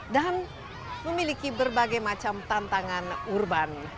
dan memiliki berbagai macam tantangan urban